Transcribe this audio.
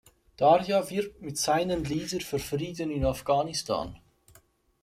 Darya wirbt mit seinen Lieder für Frieden in Afghanistan.